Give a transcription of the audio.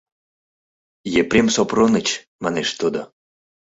— Епрем Сопроныч, — манеш тудо.